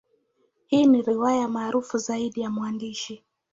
Hii ni riwaya maarufu zaidi ya mwandishi.